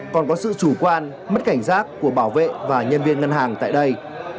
còn có sự chủ quan mất cảnh giác của bảo vệ và nhân viên ngân hàng tại đây